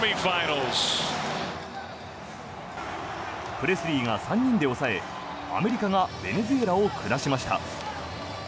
プレスリーが３人で抑えアメリカがベネズエラを下しました。